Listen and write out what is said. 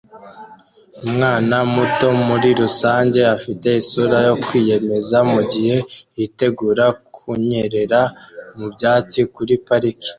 Umwana muto muri rusange afite isura yo kwiyemeza mugihe yitegura kunyerera mu byatsi kuri parike